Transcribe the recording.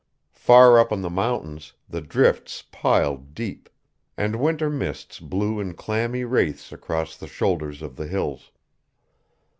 Far up on the mountains the drifts piled deep, and winter mists blew in clammy wraiths across the shoulders of the hills.